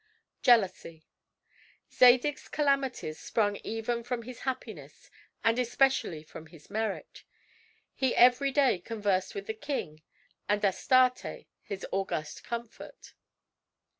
JEALOUSY Zadig's calamities sprung even from his happiness and especially from his merit. He every day conversed with the king and Astarte, his august comfort.